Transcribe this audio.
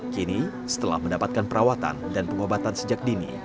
kini setelah mendapatkan perawatan dan pengobatan sejak dini